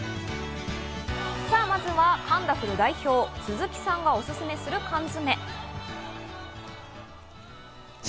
さぁ、まずはカンダフル代表・鈴木さんがおすすめする缶詰。